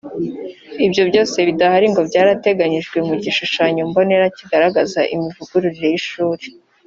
Ibyo byose bidahari ngo byarateganyijwe mu gishushanyo mbonera kigaragaza imivugururire y’ishuri